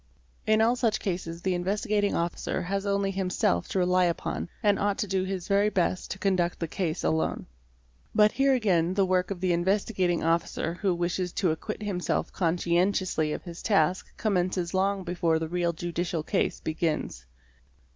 In all such cases the Investigating Officer has only him self to rely upon, and ought to do his very best to conduct thé case alone. But here again the work of the Investigating Officer who wishes to acquit himself conscientiously of his task commences long before the real judicial case begins.